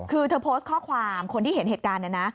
คือเธอโพสต์ข้อความคนที่เห็นเหตุการณ์เนี่ยนะ